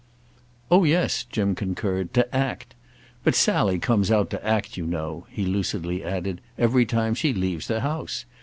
"Oh yes," Jim concurred—"to act. But Sally comes out to act, you know," he lucidly added, "every time she leaves the house.